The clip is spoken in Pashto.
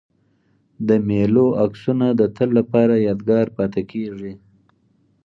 د مېلو عکسونه د تل له پاره یادګار پاته کېږي.